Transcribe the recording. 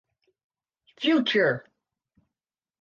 Future.